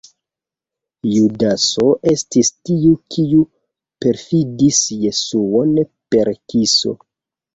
Judaso estis tiu kiu perfidis Jesuon per kiso.